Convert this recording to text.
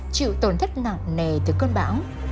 chịu tổn thất nặng nề từ cơn bão